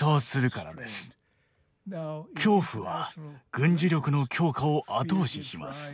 恐怖は軍事力の強化を後押しします。